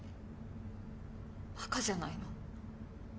バカじゃないの？